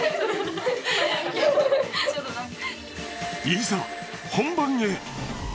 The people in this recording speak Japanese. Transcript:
いざ本番へ。